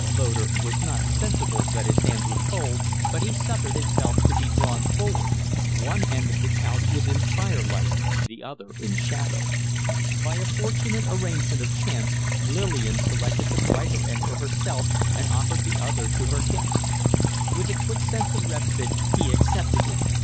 Loder was not sensible that his hands were cold, but he suffered himself to be drawn forward. One end of the couch was in firelight, the other in shadow. By a fortunate arrangement of chance Lillian selected the brighter end for herself and offered the other to her guest. With a quick sense of respite he accepted it.